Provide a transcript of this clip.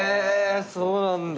そうなんだ。